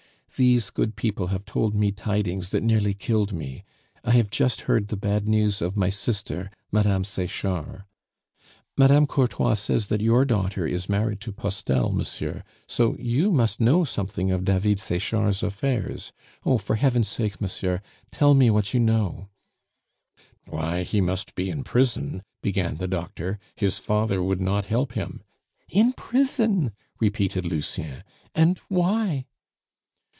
These good people have told me tidings that nearly killed me; I have just heard the bad news of my sister, Mme. Sechard. Mme. Courtois says that your daughter is married to Postel, monsieur, so you must know something of David Sechard's affairs; oh, for heaven's sake, monsieur, tell me what you know!" "Why, he must be in prison," began the doctor; "his father would not help him " "In prison!" repeated Lucien, "and why?"